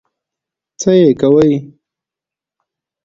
څه يې کوې؟